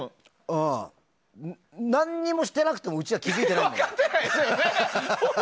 何もしてなくてもうちら気づいてないもんね。